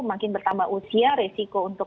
makin bertambah usia resiko untuk